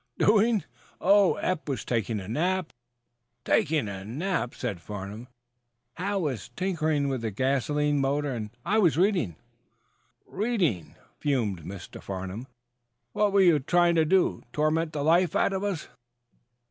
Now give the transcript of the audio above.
"Doing? Oh, Eph was taking a nap " "Taking a nap?" "Hal was tinkering with the gasoline motor, and I was reading." "Reading?" fumed Mr. Farnum. "What were you trying to do? Torment the life out of us?"